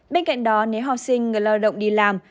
bên cạnh đó nếu học sinh người lao động đi làm